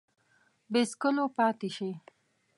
بې څکلو پاته شي